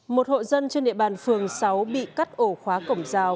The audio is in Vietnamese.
một hộ dân trên địa bàn phường sáu bị cắt ổ khóa cổng rào